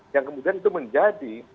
yang kemudian itu menjadi